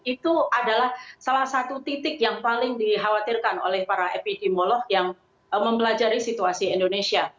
itu adalah salah satu titik yang paling dikhawatirkan oleh para epidemiolog yang mempelajari situasi indonesia